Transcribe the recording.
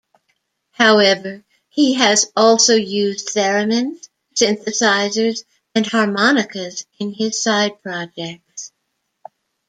However, he has also used theremins, synthesizers and harmonicas in his side projects.